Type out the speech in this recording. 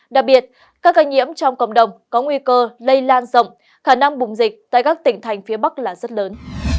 đặc biệt các ca nhiễm trong cộng đồng có nguy cơ lây lan rộng khả năng bùng dịch tại các tỉnh thành phía bắc là rất lớn